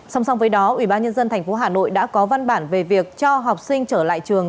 song song với đó ubnd tp hà nội đã có văn bản về việc cho học sinh trở lại trường